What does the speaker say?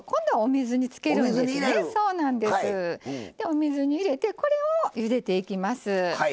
お水に入れてこれをゆでていきます。